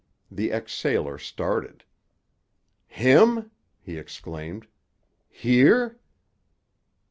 The ex sailor started. "Him?" he exclaimed. "Here?"